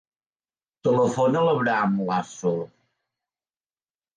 Telefona a l'Abraham Lasso.